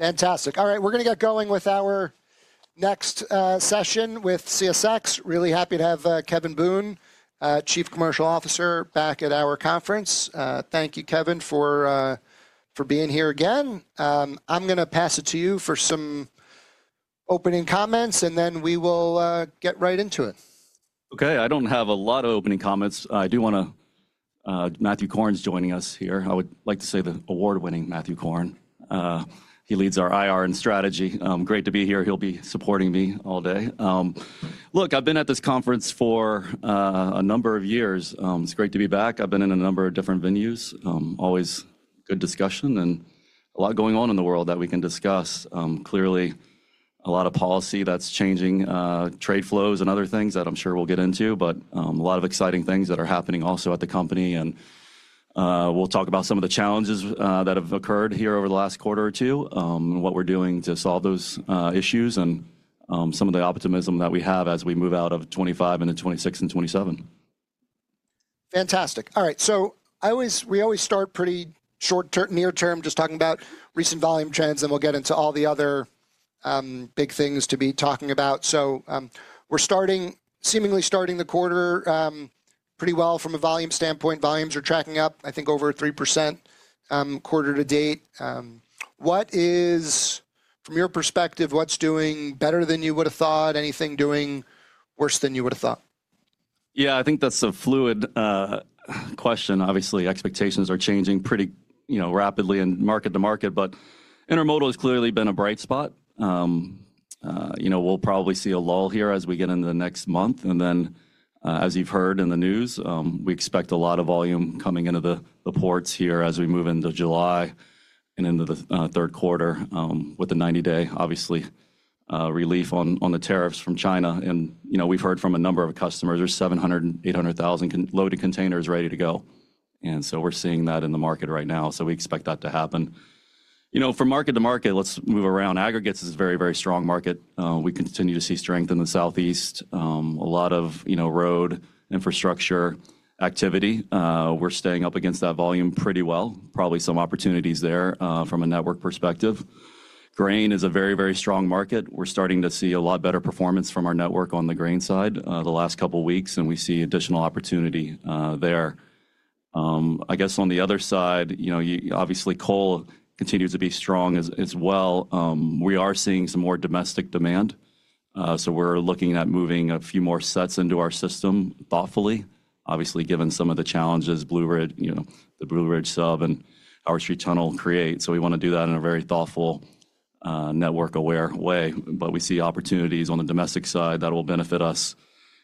Fantastic. All right, we're going to get going with our next session with CSX. Really happy to have Kevin Boone, Chief Commercial Officer, back at our conference. Thank you, Kevin, for being here again. I'm going to pass it to you for some opening comments, and then we will get right into it. Okay. I do not have a lot of opening comments. I do want to thank Matthew Korn's joining us here. I would like to say the award-winning Matthew Korn. He leads our IR and strategy. Great to be here. He will be supporting me all day. Look, I have been at this conference for a number of years. It is great to be back. I have been in a number of different venues. Always good discussion and a lot going on in the world that we can discuss. Clearly, a lot of policy that is changing, trade flows, and other things that I am sure we will get into, but a lot of exciting things that are happening also at the company. We will talk about some of the challenges that have occurred here over the last quarter or two, what we are doing to solve those issues, and some of the optimism that we have as we move out of 2025 into 2026 and 2027. Fantastic. All right, so we always start pretty short-term, near-term, just talking about recent volume trends, and we'll get into all the other big things to be talking about. We are seemingly starting the quarter pretty well from a volume standpoint. Volumes are tracking up, I think, over 3% quarter-to-date. From your perspective, what's doing better than you would have thought? Anything doing worse than you would have thought? Yeah, I think that's a fluid question. Obviously, expectations are changing pretty rapidly in market-to-market, but Intermodal has clearly been a bright spot. We'll probably see a lull here as we get into the next month. As you've heard in the news, we expect a lot of volume coming into the ports here as we move into July and into the third quarter with the 90-day, obviously, relief on the tariffs from China. We've heard from a number of customers, there's 700,000-800,000 loaded containers ready to go. We're seeing that in the market right now. We expect that to happen. You know, from market-to-market, things move around. Aggregates is a very, very strong market. We continue to see strength in the Southeast. A lot of road infrastructure activity. We're staying up against that volume pretty well. Probably some opportunities there from a network perspective. Grain is a very, very strong market. We're starting to see a lot better performance from our network on the grain side the last couple of weeks, and we see additional opportunity there. I guess on the other side, obviously, coal continues to be strong as well. We are seeing some more domestic demand. We are looking at moving a few more sets into our system thoughtfully, obviously, given some of the challenges the Blue Ridge Sub and Howard Street Tunnel create. We want to do that in a very thoughtful, network-aware way. We see opportunities on the domestic side that will benefit us.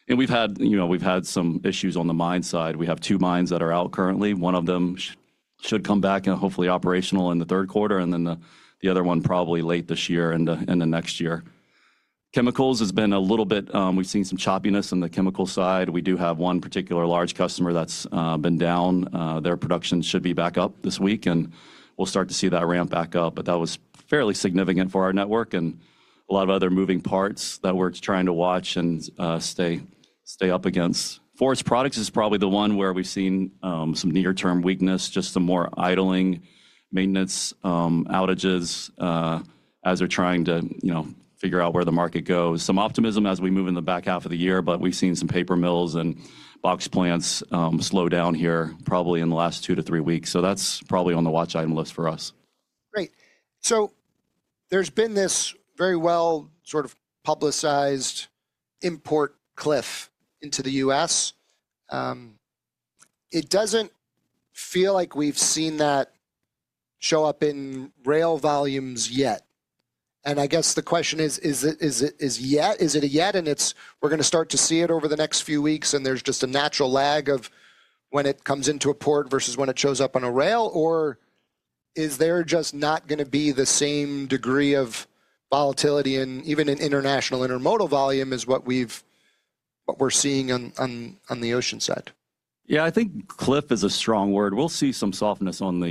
We've had some issues on the mine side. We have two mines that are out currently. One of them should come back and hopefully operational in the third quarter, and then the other one probably late this year and the next year. Chemicals has been a little bit—we've seen some choppiness on the chemical side. We do have one particular large customer that's been down. Their production should be back up this week, and we'll start to see that ramp back up. That was fairly significant for our network and a lot of other moving parts that we're trying to watch and stay up against. Forest products is probably the one where we've seen some near-term weakness, just some more idling, maintenance outages as they're trying to figure out where the market goes. Some optimism as we move in the back half of the year, but we've seen some paper mills and box plants slow down here probably in the last two to three weeks. That's probably on the watch item list for us. Great. There has been this very well sort of publicized import cliff into the U.S. It does not feel like we have seen that show up in rail volumes yet. I guess the question is, is it a yet? Are we going to start to see it over the next few weeks, and there is just a natural lag of when it comes into a port versus when it shows up on a rail, or is there just not going to be the same degree of volatility? Even in international intermodal volume, is what we are seeing on the ocean side. Yeah, I think cliff is a strong word. We'll see some softness on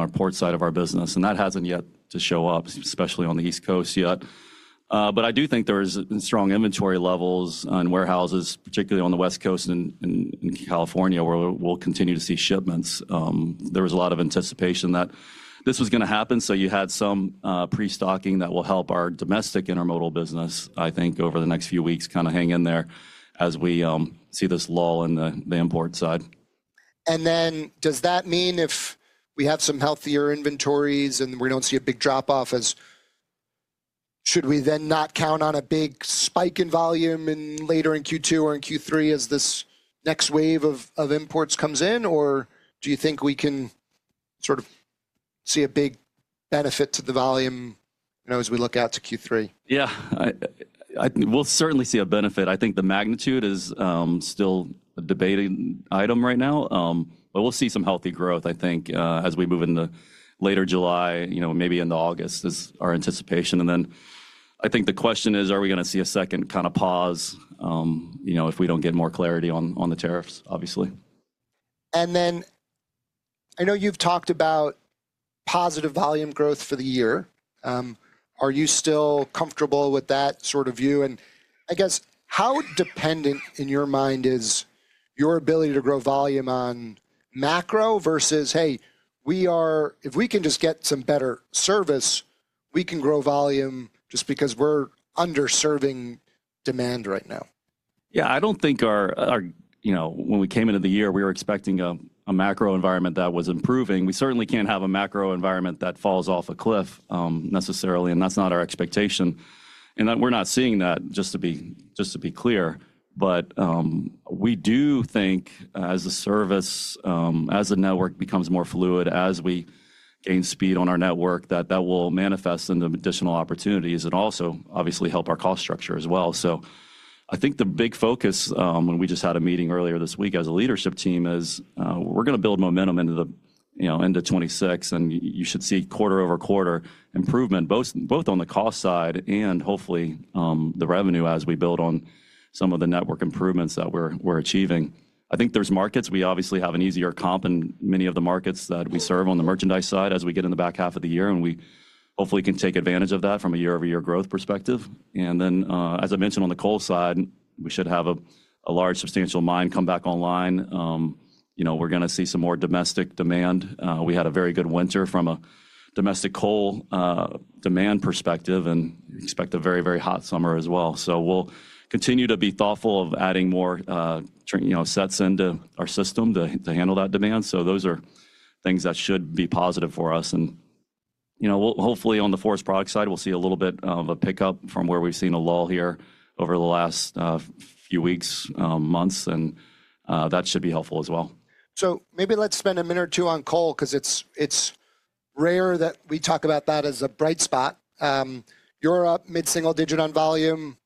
our port side of our business, and that has yet to show up, especially on the East Coast yet. I do think there are strong inventory levels on warehouses, particularly on the West Coast and in California, where we'll continue to see shipments. There was a lot of anticipation that this was going to happen. You had some pre-stocking that will help our domestic intermodal business, I think, over the next few weeks kind of hang in there as we see this lull in the import side. Does that mean if we have some healthier inventories and we do not see a big drop-off, should we then not count on a big spike in volume later in Q2 or in Q3 as this next wave of imports comes in? Or do you think we can sort of see a big benefit to the volume as we look out to Q3? Yeah, we'll certainly see a benefit. I think the magnitude is still a debated item right now, but we'll see some healthy growth, I think, as we move into later July, maybe into August is our anticipation. I think the question is, are we going to see a second kind of pause if we do not get more clarity on the tariffs, obviously? I know you've talked about positive volume growth for the year. Are you still comfortable with that sort of view? I guess how dependent, in your mind, is your ability to grow volume on macro versus, hey, if we can just get some better service, we can grow volume just because we're underserving demand right now? Yeah, I do not think when we came into the year, we were expecting a macro environment that was improving. We certainly cannot have a macro environment that falls off a cliff necessarily, and that is not our expectation. We are not seeing that, just to be clear. We do think as a service, as a network becomes more fluid, as we gain speed on our network, that that will manifest in additional opportunities and also obviously help our cost structure as well. I think the big focus, when we just had a meeting earlier this week as a leadership team, is we are going to build momentum into 2026, and you should see quarter-over-quarter improvement, both on the cost side and hopefully the revenue as we build on some of the network improvements that we are achieving. I think there are markets. We obviously have an easier comp in many of the markets that we serve on the merchandise side as we get in the back half of the year, and we hopefully can take advantage of that from a year-over-year growth perspective. As I mentioned, on the coal side, we should have a large substantial mine come back online. We're going to see some more domestic demand. We had a very good winter from a domestic coal demand perspective, and we expect a very, very hot summer as well. We'll continue to be thoughtful of adding more sets into our system to handle that demand. Those are things that should be positive for us. Hopefully, on the forest product side, we'll see a little bit of a pickup from where we've seen a lull here over the last few weeks, months, and that should be helpful as well. Maybe let's spend a minute or two on coal because it's rare that we talk about that as a bright spot. You're up mid-single digit on volume.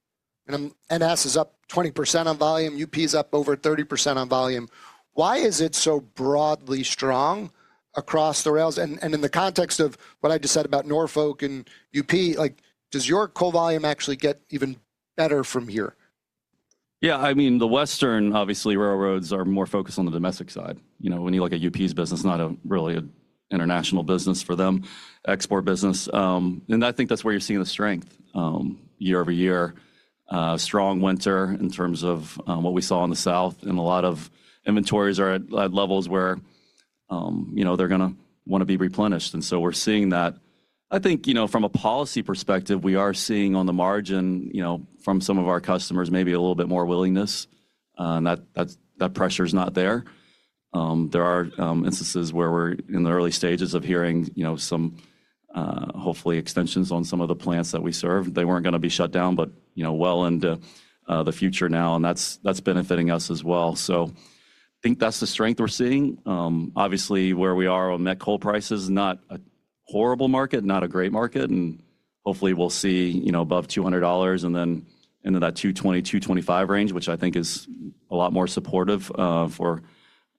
NS is up 20% on volume. UP is up over 30% on volume. Why is it so broadly strong across the rails? And in the context of what I just said about Norfolk and UP, does your coal volume actually get even better from here? Yeah, I mean, the Western, obviously, railroads are more focused on the domestic side. When you look at UP's business, not really an international business for them, export business. I think that's where you're seeing the strength year-over-year. Strong winter in terms of what we saw in the South, and a lot of inventories are at levels where they're going to want to be replenished. We're seeing that. I think from a policy perspective, we are seeing on the margin from some of our customers maybe a little bit more willingness. That pressure is not there. There are instances where we're in the early stages of hearing some hopefully extensions on some of the plants that we serve. They weren't going to be shut down, but well into the future now, and that's benefiting us as well. I think that's the strength we're seeing. Obviously, where we are on met coal price is not a horrible market, not a great market, and hopefully we'll see above $200 and then into that $220-$225 range, which I think is a lot more supportive for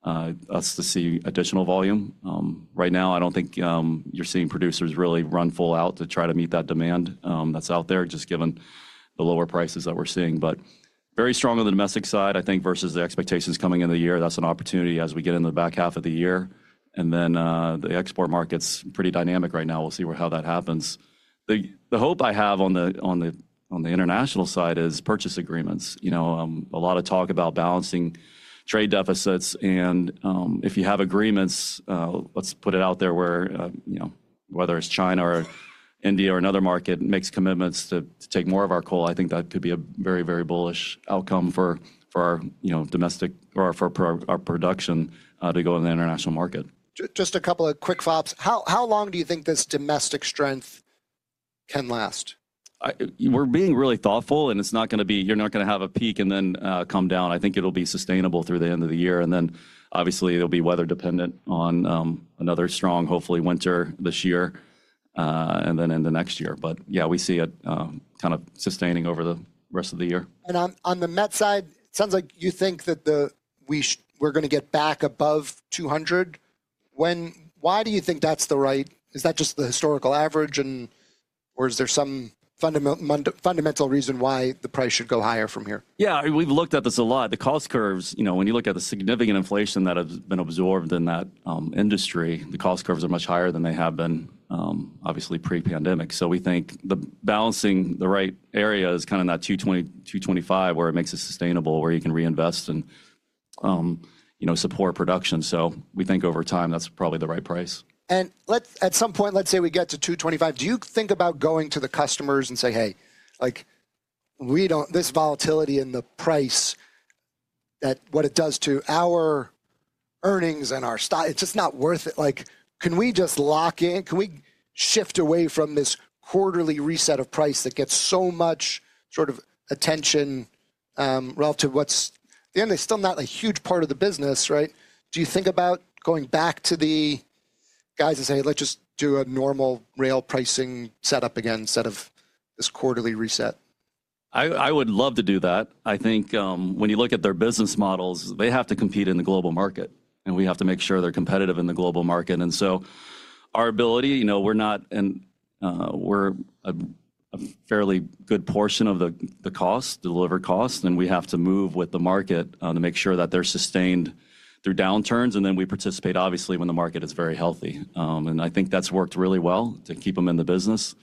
us to see additional volume. Right now, I don't think you're seeing producers really run full out to try to meet that demand that's out there, just given the lower prices that we're seeing. Very strong on the domestic side, I think, versus the expectations coming into the year. That's an opportunity as we get into the back half of the year. The export market's pretty dynamic right now. We'll see how that happens. The hope I have on the international side is purchase agreements. A lot of talk about balancing trade deficits. If you have agreements, let's put it out there where whether it's China or India or another market makes commitments to take more of our coal, I think that could be a very, very bullish outcome for our domestic or for our production to go in the international market. Just a couple of quick thoughts. How long do you think this domestic strength can last? We're being really thoughtful, and it's not going to be you're not going to have a peak and then come down. I think it'll be sustainable through the end of the year. Obviously it'll be weather dependent on another strong, hopefully winter this year and then into next year. Yeah, we see it kind of sustaining over the rest of the year. On the met side, it sounds like you think that we're going to get back above $200. Why do you think that's right? Is that just the historical average, or is there some fundamental reason why the price should go higher from here? Yeah, we've looked at this a lot. The cost curves, when you look at the significant inflation that has been absorbed in that industry, the cost curves are much higher than they have been, obviously, pre-pandemic. We think the balancing the right area is kind of that $220, $225 where it makes it sustainable, where you can reinvest and support production. We think over time that's probably the right price. At some point, let's say we get to $225, do you think about going to the customers and saying, "Hey, this volatility in the price, what it does to our earnings and our stock, it's just not worth it? Can we just lock in? Can we shift away from this quarterly reset of price that gets so much sort of attention relative to what's at the end, it's still not a huge part of the business, right?" Do you think about going back to the guys and saying, "Let's just do a normal rail pricing setup again, instead of this quarterly reset?" I would love to do that. I think when you look at their business models, they have to compete in the global market, and we have to make sure they're competitive in the global market. Our ability, we're a fairly good portion of the cost, delivered cost, and we have to move with the market to make sure that they're sustained through downturns. We participate, obviously, when the market is very healthy. I think that's worked really well to keep them in the business.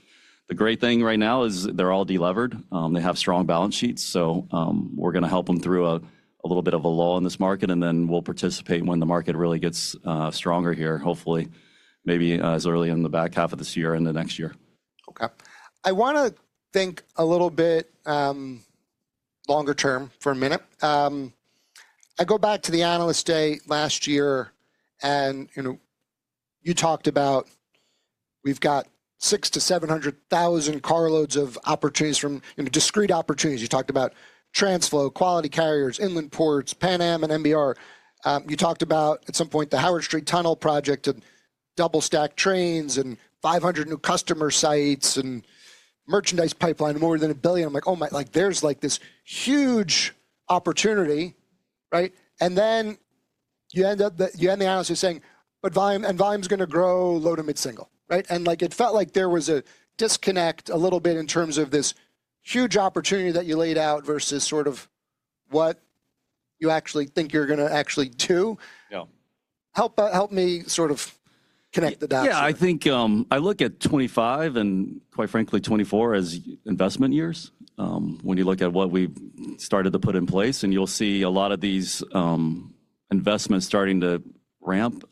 The great thing right now is they're all delevered. They have strong balance sheets. We're going to help them through a little bit of a lull in this market, and then we'll participate when the market really gets stronger here, hopefully, maybe as early in the back half of this year and the next year. Okay. I want to think a little bit longer term for a minute. I go back to the analyst day last year, and you talked about we've got 600,000-700,000 carloads of opportunities from discrete opportunities. You talked about Transflo, Quality Carriers, Inland Ports, Pan Am, and MNBR. You talked about at some point the Howard Street Tunnel project and double-stack trains and 500 new customer sites and merchandise pipeline, more than a billion. I'm like, "Oh my, there's this huge opportunity." Right? You end the analysis saying, "But volume is going to grow low to mid-single." Right? It felt like there was a disconnect a little bit in terms of this huge opportunity that you laid out versus sort of what you actually think you're going to actually do. Help me sort of connect the dots. Yeah, I think I look at 2025 and quite frankly, 2024 as investment years when you look at what we started to put in place. You'll see a lot of these investments starting to ramp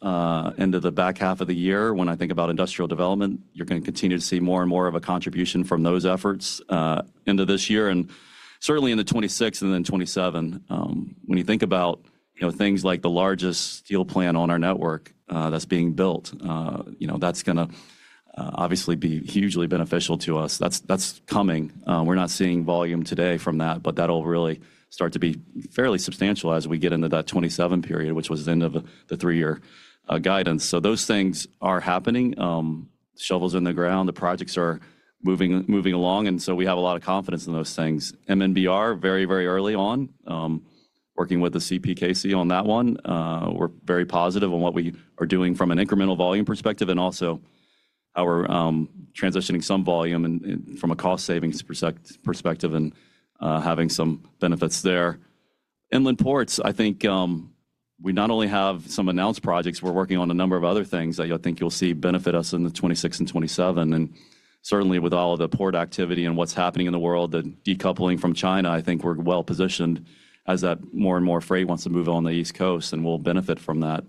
into the back half of the year. When I think about industrial development, you're going to continue to see more and more of a contribution from those efforts into this year. Certainly in 2026 and then 2027, when you think about things like the largest steel plant on our network that's being built, that's going to obviously be hugely beneficial to us. That's coming. We're not seeing volume today from that, but that'll really start to be fairly substantial as we get into that 2027 period, which was the end of the three-year guidance. Those things are happening. The shovel's in the ground. The projects are moving along. We have a lot of confidence in those things. MNBR, very, very early on, working with the CPKC on that one. We are very positive on what we are doing from an incremental volume perspective and also how we are transitioning some volume from a cost savings perspective and having some benefits there. Inland Ports, I think we not only have some announced projects, we are working on a number of other things that I think you will see benefit us in 2026 and 2027. Certainly with all of the port activity and what is happening in the world, the decoupling from China, I think we are well positioned as more and more freight wants to move on the East Coast and will benefit from that.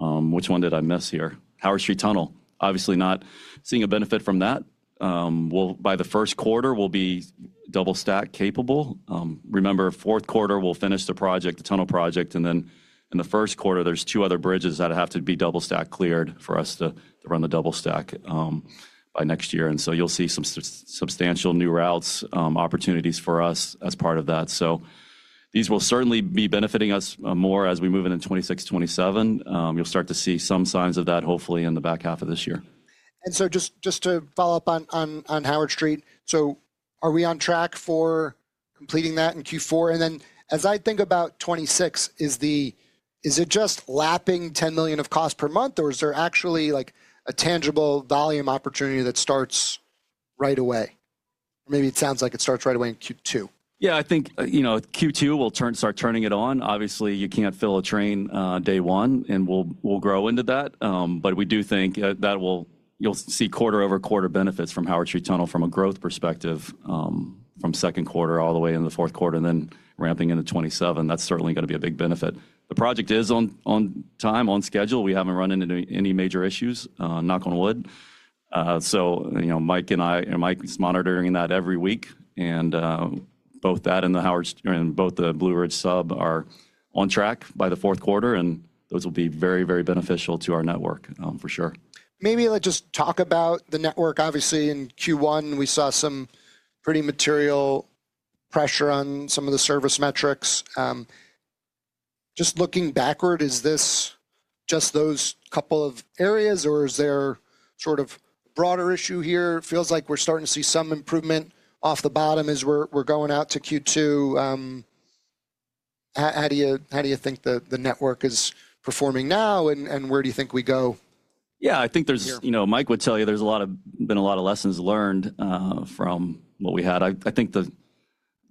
Which one did I miss here? Howard Street Tunnel, obviously not seeing a benefit from that. By the first quarter, we will be double-stack capable. Remember, fourth quarter, we'll finish the project, the tunnel project. In the first quarter, there are two other bridges that have to be double-stack cleared for us to run the double-stack by next year. You will see some substantial new routes, opportunities for us as part of that. These will certainly be benefiting us more as we move into 2026, 2027. You will start to see some signs of that, hopefully, in the back half of this year. Just to follow up on Howard Street, are we on track for completing that in Q4? As I think about 2026, is it just lapping $10 million of cost per month, or is there actually a tangible volume opportunity that starts right away? Or maybe it sounds like it starts right away in Q2. Yeah, I think Q2 will start turning it on. Obviously, you can't fill a train day one, and we'll grow into that. We do think that you'll see quarter-over-quarter benefits from Howard Street Tunnel from a growth perspective from second quarter all the way into the fourth quarter and then ramping into 2027. That's certainly going to be a big benefit. The project is on time, on schedule. We haven't run into any major issues, knock on wood. Mike and I are monitoring that every week. Both that and the Blue Ridge Sub are on track by the fourth quarter, and those will be very, very beneficial to our network, for sure. Maybe let's just talk about the network. Obviously, in Q1, we saw some pretty material pressure on some of the service metrics. Just looking backward, is this just those couple of areas, or is there sort of a broader issue here? It feels like we're starting to see some improvement off the bottom as we're going out to Q2. How do you think the network is performing now, and where do you think we go? Yeah, I think as Mike would tell you, there's been a lot of lessons learned from what we had. I think the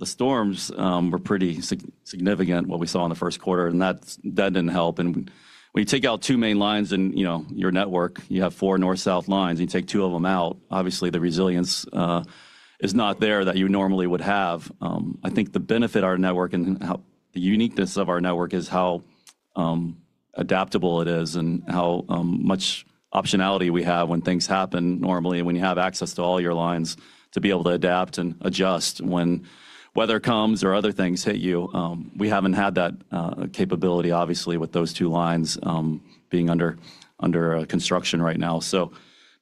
storms were pretty significant, what we saw in the first quarter, and that did not help. When you take out two main lines in your network, you have four north-south lines, and you take two of them out, obviously the resilience is not there that you normally would have. I think the benefit of our network and the uniqueness of our network is how adaptable it is and how much optionality we have when things happen normally. When you have access to all your lines to be able to adapt and adjust when weather comes or other things hit you, we have not had that capability, obviously, with those two lines being under construction right now.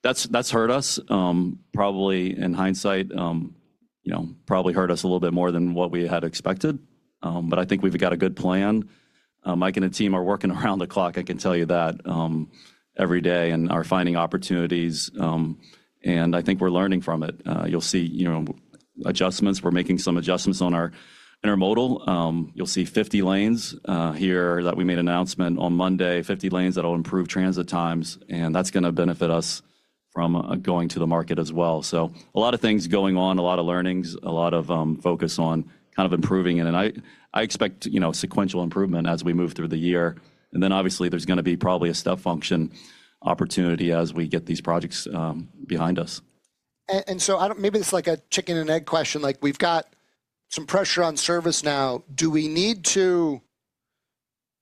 That has hurt us. Probably in hindsight, probably hurt us a little bit more than what we had expected. I think we've got a good plan. Mike and the team are working around the clock, I can tell you that, every day and are finding opportunities. I think we're learning from it. You'll see adjustments. We're making some adjustments on our intermodal. You'll see 50 lanes here that we made announcement on Monday, 50 lanes that will improve transit times. That's going to benefit us from going to the market as well. A lot of things going on, a lot of learnings, a lot of focus on kind of improving. I expect sequential improvement as we move through the year. Obviously there's going to be probably a step function opportunity as we get these projects behind us. Maybe it's like a chicken and egg question. We've got some pressure on service now. Do we need to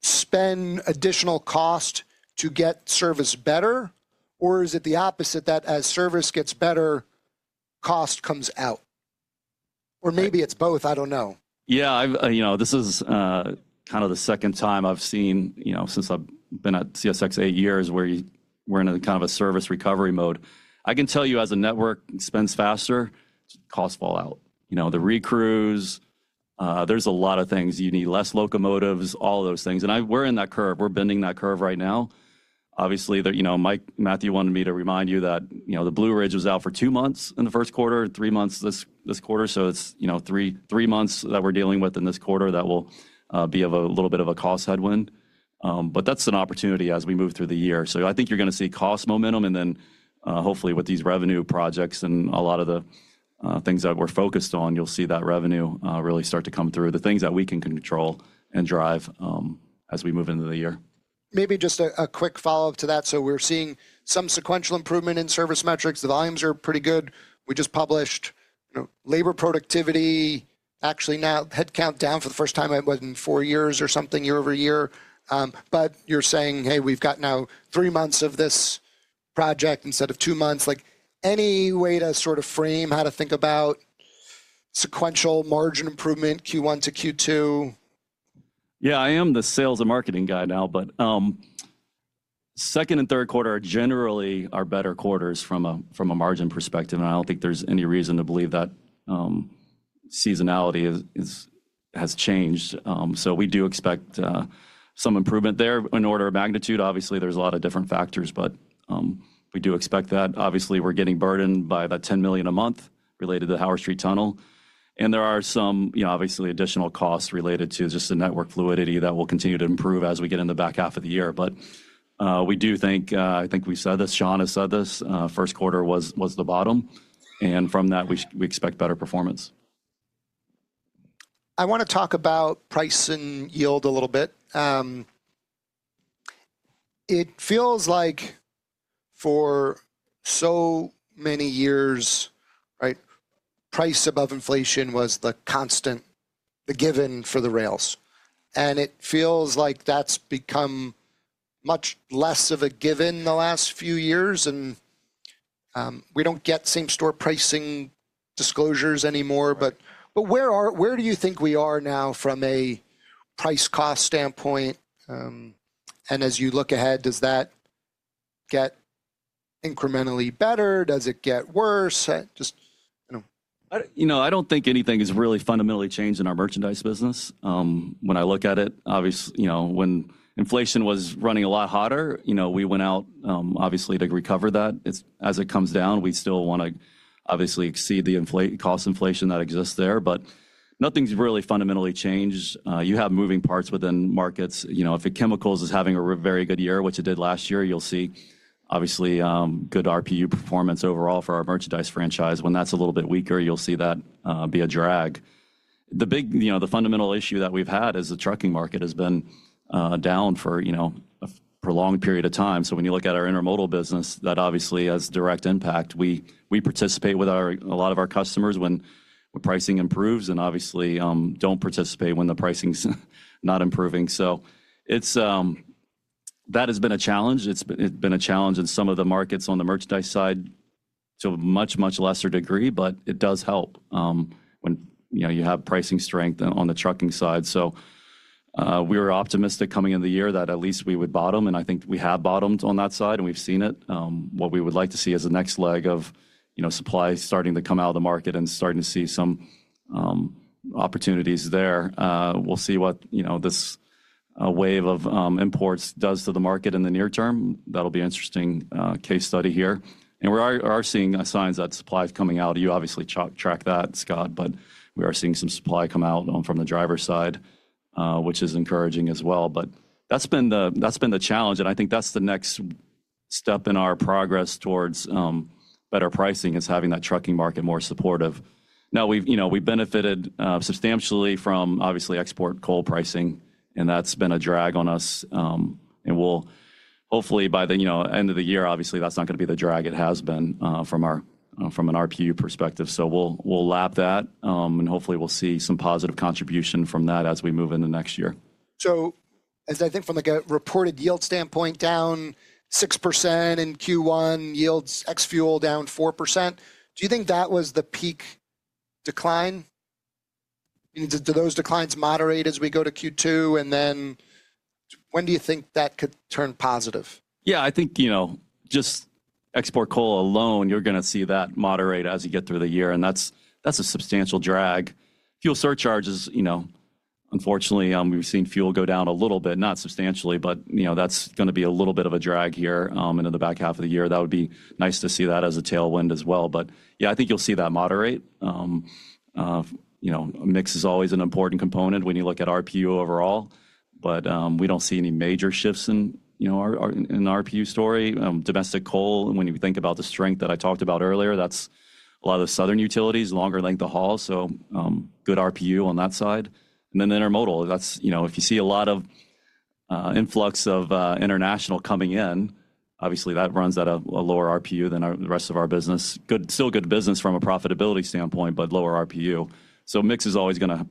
spend additional cost to get service better, or is it the opposite that as service gets better, cost comes out? Or maybe it's both, I don't know. Yeah, this is kind of the second time I've seen since I've been at CSX eight years where we're in kind of a service recovery mode. I can tell you as a network spins faster, costs fall out. The recrews, there's a lot of things. You need less locomotives, all of those things. We're in that curve. We're bending that curve right now. Obviously, Matthew wanted me to remind you that the Blue Ridge was out for two months in the first quarter, three months this quarter. It is three months that we're dealing with in this quarter that will be a little bit of a cost headwind. That is an opportunity as we move through the year. I think you're going to see cost momentum and then hopefully with these revenue projects and a lot of the things that we're focused on, you'll see that revenue really start to come through, the things that we can control and drive as we move into the year. Maybe just a quick follow-up to that. We are seeing some sequential improvement in service metrics. The volumes are pretty good. We just published labor productivity, actually now headcount down for the first time in four years or something, year-over-year. You are saying, "Hey, we have now three months of this project instead of two months." Any way to sort of frame how to think about sequential margin improvement Q1 to Q2? Yeah, I am the sales and marketing guy now, but second and third quarter are generally better quarters from a margin perspective. I do not think there is any reason to believe that seasonality has changed. We do expect some improvement there in order of magnitude. Obviously, there are a lot of different factors, but we do expect that. Obviously, we are getting burdened by that $10 million a month related to the Howard Street Tunnel. There are some obviously additional costs related to just the network fluidity that will continue to improve as we get in the back half of the year. We do think, I think we said this, Sean has said this, first quarter was the bottom. From that, we expect better performance. I want to talk about price and yield a little bit. It feels like for so many years, price above inflation was the constant, the given for the rails. It feels like that's become much less of a given in the last few years. We do not get same-store pricing disclosures anymore. Where do you think we are now from a price-cost standpoint? As you look ahead, does that get incrementally better? Does it get worse? I don't think anything has really fundamentally changed in our merchandise business. When I look at it, obviously, when inflation was running a lot hotter, we went out obviously to recover that. As it comes down, we still want to obviously exceed the cost inflation that exists there. Nothing's really fundamentally changed. You have moving parts within markets. If chemicals is having a very good year, which it did last year, you'll see obviously good RPU performance overall for our merchandise franchise. When that's a little bit weaker, you'll see that be a drag. The fundamental issue that we've had is the trucking market has been down for a prolonged period of time. When you look at our intermodal business, that obviously has direct impact. We participate with a lot of our customers when pricing improves and obviously don't participate when the pricing's not improving. That has been a challenge. It's been a challenge in some of the markets on the merchandise side to a much, much lesser degree, but it does help when you have pricing strength on the trucking side. We were optimistic coming into the year that at least we would bottom. I think we have bottomed on that side, and we've seen it. What we would like to see is the next leg of supply starting to come out of the market and starting to see some opportunities there. We'll see what this wave of imports does to the market in the near term. That will be an interesting case study here. We are seeing signs that supply is coming out. You obviously track that, Scott, but we are seeing some supply come out from the driver's side, which is encouraging as well. That's been the challenge. I think that's the next stp in our progress towards better pricing is having that trucking market more supportive. Now, we've benefited substantially from obviously export coal pricing, and that's been a drag on us. Hopefully by the end of the year, obviously that's not going to be the drag it has been from an RPU perspective. We'll lap that, and hopefully we'll see some positive contribution from that as we move into next year. As I think from a reported yield standpoint, down 6% in Q1, yields ex-fuel down 4%. Do you think that was the peak decline? Do those declines moderate as we go to Q2? When do you think that could turn positive? Yeah, I think just export coal alone, you're going to see that moderate as you get through the year. That's a substantial drag. Fuel surcharges, unfortunately, we've seen fuel go down a little bit, not substantially, but that's going to be a little bit of a drag here into the back half of the year. That would be nice to see that as a tailwind as well. Yeah, I think you'll see that moderate. Mix is always an important component when you look at RPU overall. We don't see any major shifts in our RPU story. Domestic coal, when you think about the strength that I talked about earlier, that's a lot of the southern utilities, longer length of haul. Good RPU on that side. Intermodal, if you see a lot of influx of international coming in, obviously that runs at a lower RPU than the rest of our business. Still good business from a profitability standpoint, but lower RPU. Mix is always going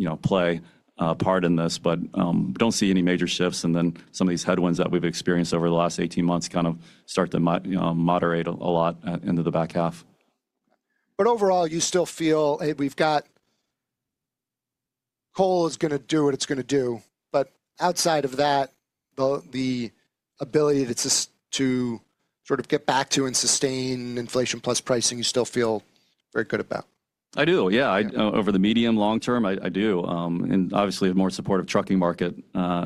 to play a part in this, but do not see any major shifts. Some of these headwinds that we have experienced over the last 18 months kind of start to moderate a lot into the back half. Overall, you still feel we've got coal is going to do what it's going to do. Outside of that, the ability to sort of get back to and sustain inflation plus pricing, you still feel very good about? I do. Yeah, over the medium, long term, I do. Obviously a more supportive trucking market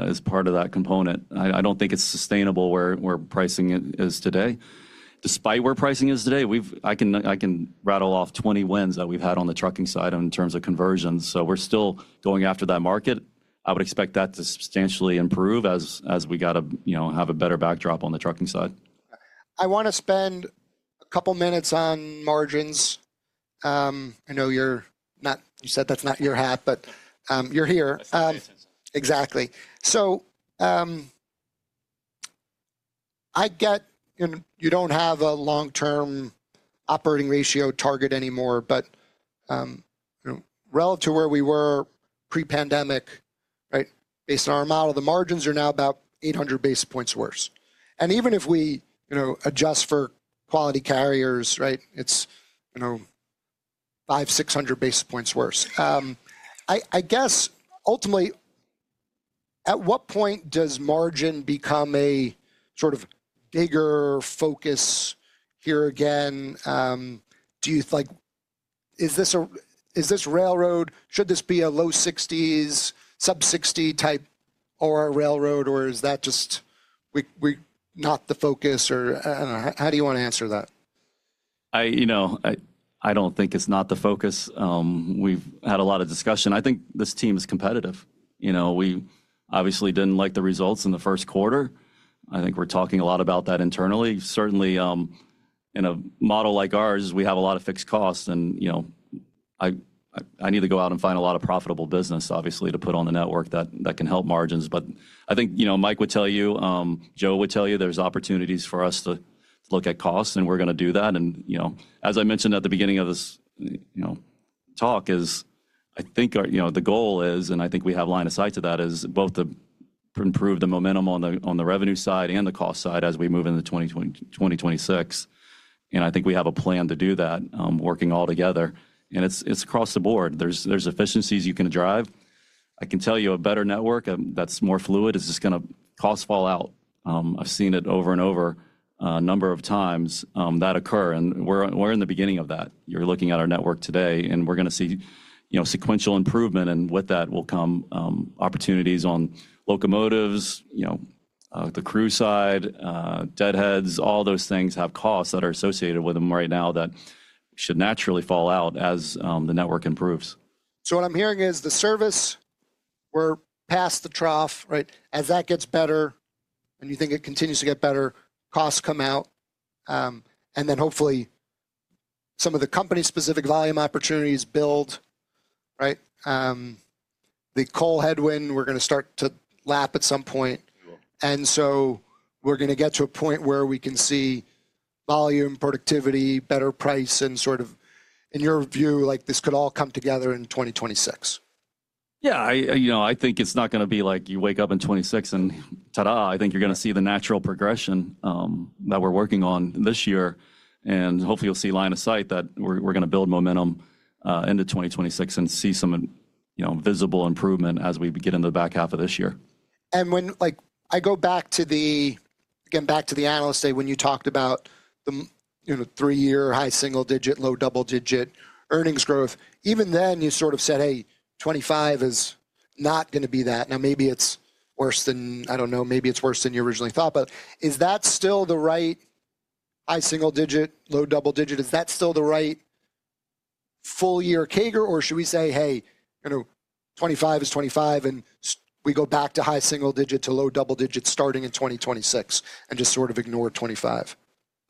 is part of that component. I do not think it is sustainable where pricing is today. Despite where pricing is today, I can rattle off 20 wins that we have had on the trucking side in terms of conversions. We are still going after that market. I would expect that to substantially improve as we have to have a better backdrop on the trucking side. I want to spend a couple of minutes on margins. I know you said that's not your hat, but you're here. Exactly. I get you don't have a long-term operating ratio target anymore, but relative to where we were pre-pandemic, based on our model, the margins are now about 800 basis points worse. Even if we adjust for Quality Carriers, it's 500-600 basis points worse. I guess ultimately, at what point does margin become a sort of bigger focus here again? Is this railroad, should this be a low 60s, sub 60 type railroad, or is that just not the focus? How do you want to answer that? I don't think it's not the focus. We've had a lot of discussion. I think this team is competitive. We obviously didn't like the results in the first quarter. I think we're talking a lot about that internally. Certainly in a model like ours, we have a lot of fixed costs. I need to go out and find a lot of profitable business, obviously, to put on the network that can help margins. I think Mike would tell you, Joe would tell you there's opportunities for us to look at costs, and we're going to do that. As I mentioned at the beginning of this talk, I think the goal is, and I think we have line of sight to that, is both to improve the momentum on the revenue side and the cost side as we move into 2026. I think we have a plan to do that working all together. It is across the board. There are efficiencies you can drive. I can tell you a better network that is more fluid is just going to cost fall out. I have seen it over and over a number of times that occur. We are in the beginning of that. You are looking at our network today, and we are going to see sequential improvement and with that will come opportunities on locomotives, the crew side, deadheads, all those things have costs that are associated with them right now that should naturally fall out as the network improves. What I'm hearing is the service, we're past the trough. As that gets better, and you think it continues to get better, costs come out. Then hopefully some of the company-specific volume opportunities build. The coal headwind, we're going to start to lap at some point. We're going to get to a point where we can see volume, productivity, better price, and sort of in your view, this could all come together in 2026. Yeah, I think it's not going to be like you wake up in 2026 and ta-da. I think you're going to see the natural progression that we're working on this year. Hopefully you'll see line of sight that we're going to build momentum into 2026 and see some visible improvement as we get into the back half of this year. I go back to the, again, back to the analyst day when you talked about the three-year high single-digit, low double-digit earnings growth. Even then you sort of said, "Hey, 2025 is not going to be that." Now maybe it is worse than, I do not know, maybe it is worse than you originally thought. Is that still the right high single-digit, low double-digit? Is that still the right full-year CAGR? Or should we say, "Hey, 2025 is 2025 and we go back to high single-digit to low double-digit starting in 2026 and just sort of ignore 2025"?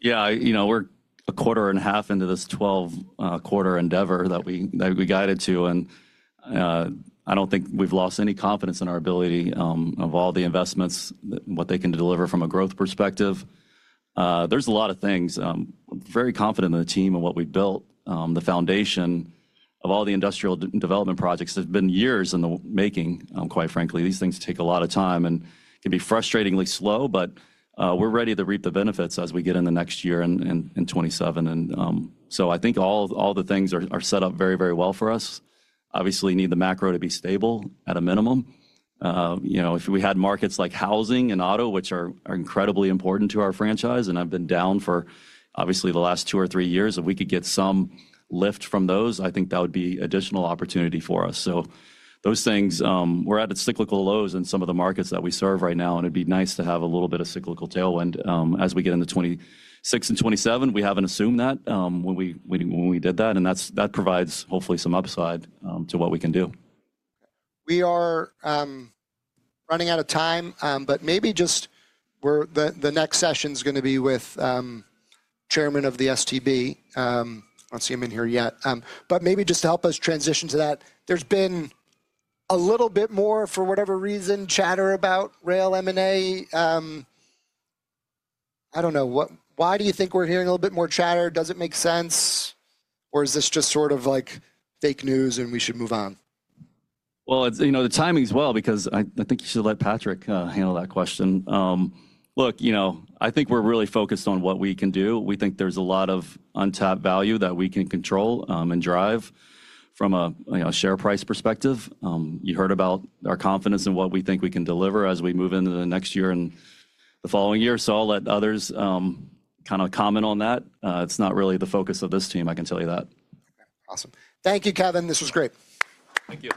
Yeah, we're a quarter and a half into this 12-quarter endeavor that we guided to. I don't think we've lost any confidence in our ability of all the investments, what they can deliver from a growth perspective. There's a lot of things. I'm very confident in the team and what we built. The foundation of all the industrial development projects has been years in the making, quite frankly. These things take a lot of time and can be frustratingly slow, but we're ready to reap the benefits as we get in the next year in 2027. I think all the things are set up very, very well for us. Obviously, we need the macro to be stable at a minimum. If we had markets like housing and auto, which are incredibly important to our franchise, and have been down for obviously the last two or three years, if we could get some lift from those, I think that would be additional opportunity for us. Those things, we're at cyclical lows in some of the markets that we serve right now. It would be nice to have a little bit of cyclical tailwind as we get into 2026 and 2027. We haven't assumed that when we did that. That provides hopefully some upside to what we can do. We are running out of time, but maybe just the next session is going to be with Chairman of the STB. I do not see him in here yet. Maybe just to help us transition to that, there has been a little bit more, for whatever reason, chatter about rail M&A. I do not know. Why do you think we are hearing a little bit more chatter? Does it make sense? Is this just sort of like fake news and we should move on? I think you should let Patrick handle that question. Look, I think we're really focused on what we can do. We think there's a lot of untapped value that we can control and drive from a share price perspective. You heard about our confidence in what we think we can deliver as we move into the next year and the following year. I'll let others kind of comment on that. It's not really the focus of this team, I can tell you that. Awesome. Thank you, Kevin. This was great. Thank you.